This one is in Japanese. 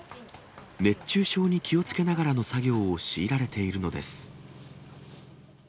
熱中症に気をつけながらの作業を強いられているのです。